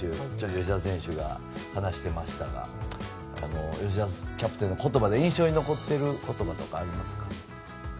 吉田選手が話していましたが吉田キャプテンの言葉で印象に残っている言葉ってありますか？